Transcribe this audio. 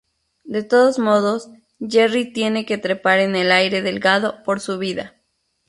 De todos modos Jerry tiene que trepar en el aire delgado por su vida.